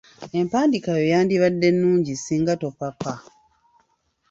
Empandiika yo yandibadde nnungi singa topapa.